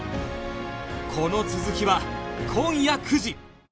この続きは今夜９時